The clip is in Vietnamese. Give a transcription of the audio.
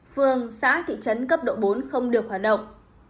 phường xã thị trấn cấp độ bốn không được hoạt động